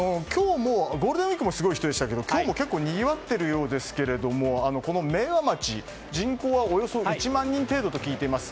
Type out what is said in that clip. ゴールデンウィークもすごい人でしたが今日も結構にぎわっているようですが明和町の人口は、およそ１万人程度と聞いています。